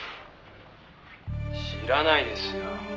「知らないですよ」